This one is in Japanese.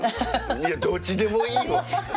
いやどっちでもいいわ。